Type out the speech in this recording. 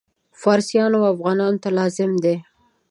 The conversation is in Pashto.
فارسیانو او افغانانو ته لازم دي.